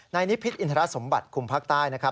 นิพิษอินทรสมบัติคุมภาคใต้นะครับ